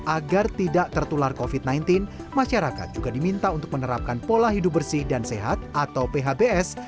agar tidak tertular covid sembilan belas masyarakat juga diminta untuk menerapkan pola hidup bersih dan sehat atau phbs